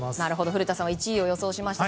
古田さんは１位を予想しました。